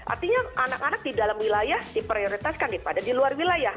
artinya anak anak di dalam wilayah diprioritaskan pada di luar wilayah